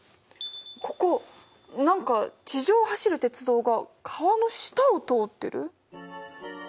ここ何か地上を走る鉄道が川の下を通ってる？